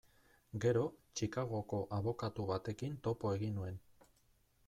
Gero, Chicagoko abokatu batekin topo egin nuen.